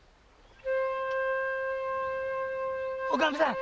おかみさん